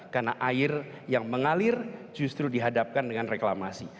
karena air yang mengalir justru dihadapkan dengan reklamasi